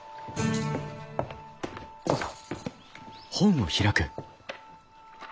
どうぞ。